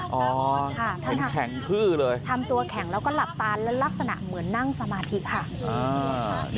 อ๋อเห็นแข็งคือเลยท่านค่ะทำตัวแข็งแล้วก็หลับตาลแล้วลักษณะเหมือนนั่งสมาธิภัณฑ์